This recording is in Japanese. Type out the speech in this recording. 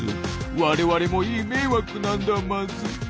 我々もいい迷惑なんだマズ。